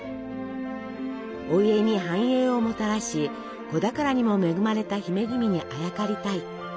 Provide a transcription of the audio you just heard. お家に繁栄をもたらし子宝にも恵まれた姫君にあやかりたい。